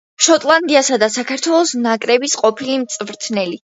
შოტლანდიისა და საქართველოს ნაკრების ყოფილი მწვრთნელი.